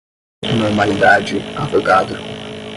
normalidade, avogadro